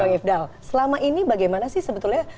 bang ifdal selama ini bagaimana sih sebetulnya